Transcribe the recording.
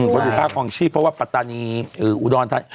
ภายคนของชีพเพราะว่าปรตานีอูดออนทัน